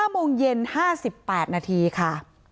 โมงเย็น๕๘นาทีค่ะ